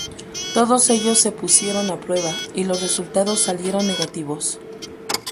Todos ellos se pusieron a prueba, y los resultados salieron negativos.